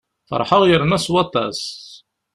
Feṛḥeɣ yerna s waṭas.